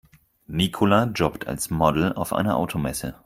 Nicola jobbt als Model auf einer Automesse.